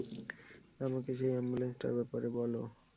আমাকে সেই অ্যাম্বুলেন্সটার ব্যাপারে বলো।